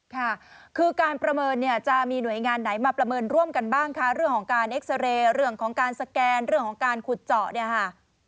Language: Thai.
ค่ะคือการประเมินเนี่ยจะมีหน่วยงานไหนมาประเมินร่วมกันบ้างคะเรื่องของการเอ็กซาเรย์เรื่องของการสแกนเรื่องของการขุดเจาะเนี่ยค่ะ